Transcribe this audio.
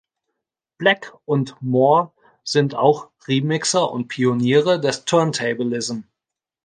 Black und More sind auch Remixer und Pioniere des Turntablism.